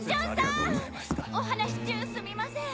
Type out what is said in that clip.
お話し中すみません